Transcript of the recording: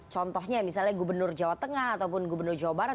contohnya misalnya gubernur jawa tengah ataupun gubernur jawa barat